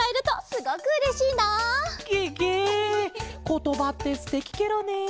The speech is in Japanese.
ことばってすてきケロね。